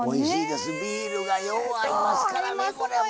ビールがよう合いますからね。